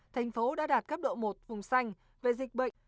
thành phố đã đạt cấp độ một vùng xanh về dịch bệnh